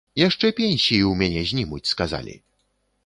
Яшчэ пенсіі ў мяне знімуць, сказалі.